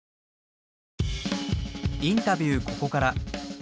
「インタビューここから」。